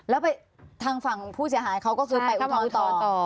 แล้วไปทางฝั่งผู้เสียหายเขาก็คือไปอุทธรณ์ต่อ